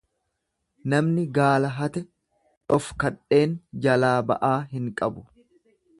Namni gaala hate dhofkadheen jalaa ba'aa hin qabu.